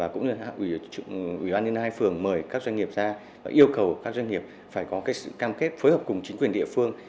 cũng như ủy ban trên hai phương mời các doanh nghiệp ra yêu cầu các doanh nghiệp phải có cam kết phối hợp cùng chính quyền địa phương